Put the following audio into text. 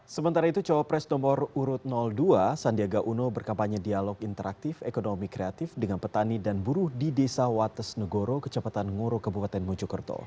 sementara itu cowok pres nomor urut dua sandiaga uno berkampanye dialog interaktif ekonomi kreatif dengan petani dan buruh di desa wates negoro kecepatan ngoro kabupaten mojokerto